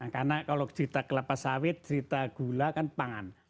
karena kalau cerita kelapa sawit cerita gula kan pangan